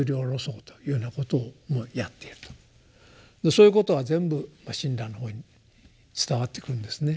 そういうことは全部親鸞のほうに伝わってくるんですね。